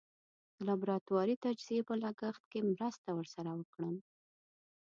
د لابراتواري تجزیې په لګښت کې مرسته ور سره وکړم.